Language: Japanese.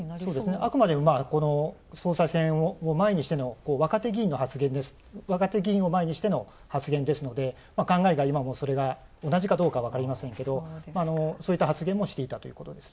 あくまでも総裁選を前にしての若手議員を前にしての発言ですので、考えが今も同じかどうか分かりませんけどそういった発言もしていたということですね。